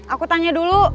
aku tanya dulu